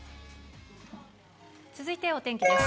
続いてお天気です。